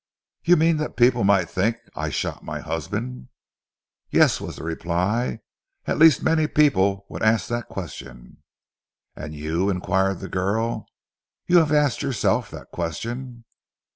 "You mean that people might think I shot my husband?" "Yes," was the reply. "At least many people would ask that question." "And you?" inquired the girl. "You have asked yourself that question?"